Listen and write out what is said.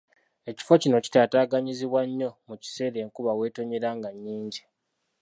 Ekifo kino kitaataaganyizibwa nnyo mu kiseera enkuba weetonnyera nga nnyingi.